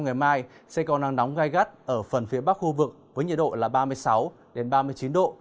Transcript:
ngày mai sẽ có nắng nóng gai gắt ở phần phía bắc khu vực với nhiệt độ là ba mươi sáu ba mươi chín độ